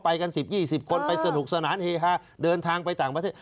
กัน๑๐๒๐คนไปสนุกสนานเฮฮาเดินทางไปต่างประเทศ